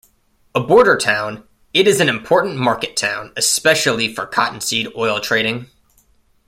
A border town, it is an important market town, especially for cottonseed oil trading.